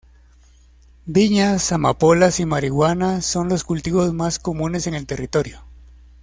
Viñas, amapolas y marihuana son los cultivos más comunes en el territorio.